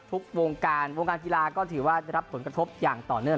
ทุกวงการวงการกีฬาก็ถือว่าได้รับผลกระทบอย่างต่อเนื่อง